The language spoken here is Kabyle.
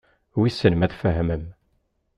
Wissen ma tfehmem.